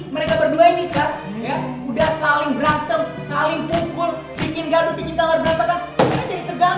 mereka berdua ini sudah saling berantem saling pukul bikin gaduh bikin kawar berantakan